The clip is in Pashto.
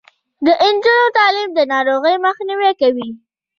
د نجونو تعلیم د ناروغیو مخنیوی کوي.